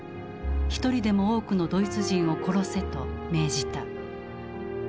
一人でも多くのドイツ人を殺せ！」と命じた。